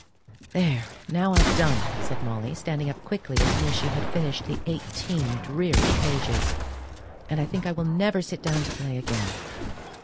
"There, now I've done!" said Molly, standing up quickly as soon as she had finished the eighteen dreary pages; "and I think I will never sit down to play again!"